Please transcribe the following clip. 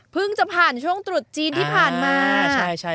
จะผ่านช่วงตรุษจีนที่ผ่านมา